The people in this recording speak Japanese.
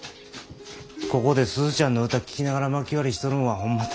ここで鈴ちゃんの歌聴きながらまき割りしとるんはホンマ楽しいんだす。